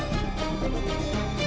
sampai jumpa lagi